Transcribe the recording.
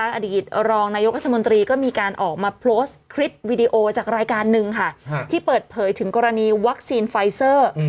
อดีตรองนายกรัฐมนตรีก็มีการออกมาโพสต์คลิปวิดีโอจากรายการหนึ่งค่ะที่เปิดเผยถึงกรณีวัคซีนไฟเซอร์